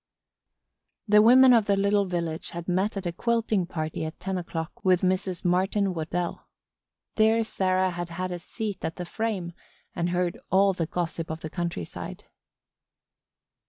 The women of the little village had met at a quilting party at ten o'clock with Mrs. Martin Waddell. There Sarah had had a seat at the frame and heard all the gossip of the countryside.